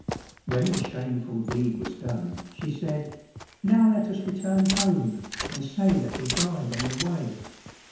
When the shameful deed was done, she said, "Now let us return home, and say that he died on the way.